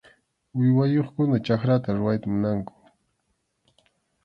Uywayuqkuna chakrata rurayta munanku.